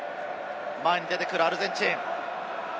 前に出てくるアルゼンチン。